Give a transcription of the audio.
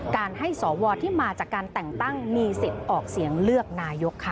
การให้สวที่มาจากการแต่งตั้งมีสิทธิ์ออกเสียงเลือกนายกค่ะ